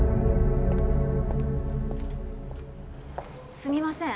すみません。